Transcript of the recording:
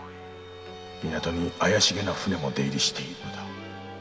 港に怪しげな船も出入りしているのだ